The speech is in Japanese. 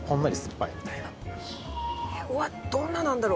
うわっどんななんだろう？